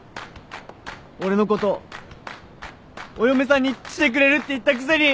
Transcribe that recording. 俺のことお嫁さんにしてくれるって言ったくせに！